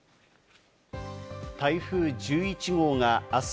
台風１１号が明日